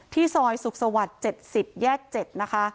ซอยสุขสวรรค์๗๐แยก๗นะคะ